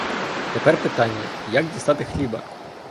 Тепер питання — як дістати хліба?